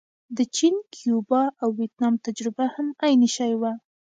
د چین، کیوبا او ویتنام تجربه هم عین شی وه.